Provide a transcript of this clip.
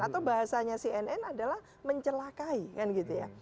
atau bahasanya cnn adalah mencelakai kan gitu ya